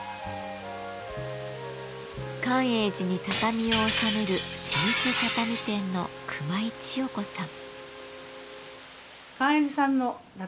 寛永寺に畳を納める老舗畳店の熊井千代子さん。